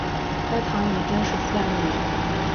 该堂以真十字架命名。